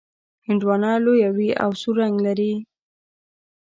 هندواڼه لویه وي او سور رنګ لري.